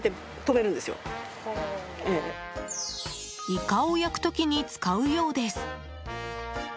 イカを焼く時に使うようです。